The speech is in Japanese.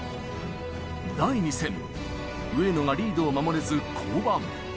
第２戦、上野がリードを守れず降板。